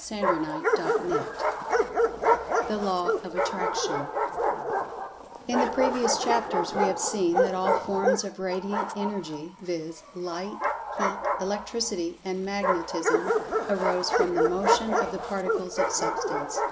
[Pg 135] CHAPTER X THE LAW OF ATTRACTION IN the previous chapters we have seen that all forms of Radiant Energy, viz., Light, Heat, Electricity and Magnetism, arose from the Motion of the Particles of Substance.